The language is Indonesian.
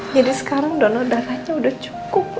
jadi sekarang donor darahnya udah cukup